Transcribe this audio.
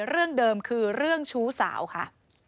เรื่องเดิมคือเรื่องชู้สาวค่ะ